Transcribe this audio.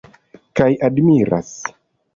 Kaj admiras.